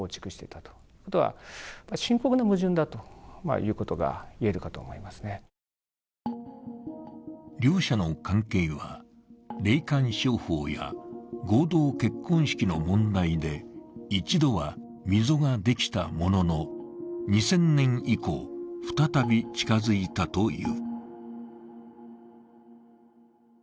その意味とは両者の関係は霊感商法や合同結婚式の問題で一度は溝ができたものの、２０００年以降、再び近づいたという。